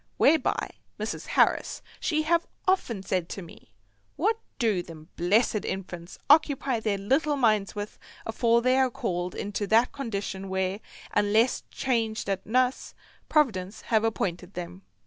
Whereby Mrs. Harris she have often said to me, "What do them blessed infants occupy their little minds with afore they are called into that condition where, unless changed at nuss, Providence have appointed them?"